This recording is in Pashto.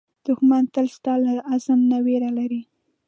دښمن تل ستا له عزم نه وېره لري